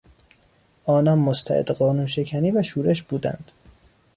آنان مستعد قانون شکنی و شورش بودند.